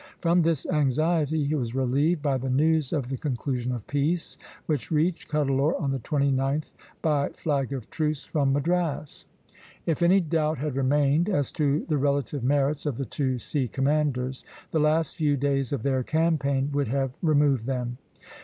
From this anxiety he was relieved by the news of the conclusion of peace, which reached Cuddalore on the 29th by flag of truce from Madras. If any doubt had remained as to the relative merits of the two sea commanders, the last few days of their campaign would have removed them.